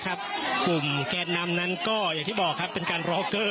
แกนามเป็นแกนร็อเกอร์